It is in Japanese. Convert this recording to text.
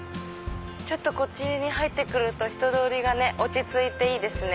こっちに入って来ると人通りが落ち着いていいですね。